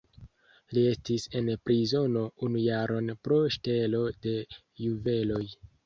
Li estis en prizono unu jaron pro ŝtelo de juveloj.